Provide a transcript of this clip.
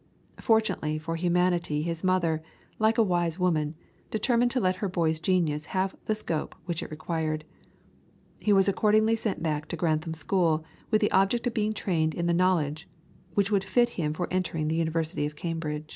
Fortunately for humanity his mother, like a wise woman, determined to let her boy's genius have the scope which it required. He was accordingly sent back to Grantham school, with the object of being trained in the knowledge which would fit him for entering the University of Cambridge.